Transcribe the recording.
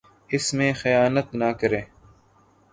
اس میں خیانت نہ کرے